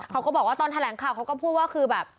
เขาก็บอกว่าตอนแถลงข่าวเขาก็พูดว่าคือแบบ